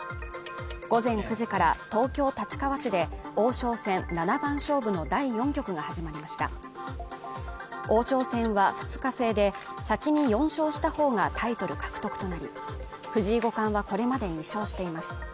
午前９時から東京立川市で王将戦７番勝負の第４局が始まりました王将戦は２日制で先に４勝したほうがタイトル獲得となり藤井五冠はこれまで２勝しています